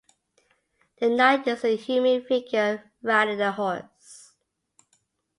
The Knight is a human figure riding a horse.